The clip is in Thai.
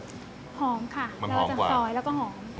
หอมค่ะแล้วจะซอยแล้วก็หอมมันหอมกว่า